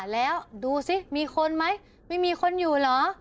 แล้วดูสิมีคนไหมไม่มีคนอยู่เหรอ